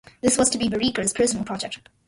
This was to be Vereker's personal project.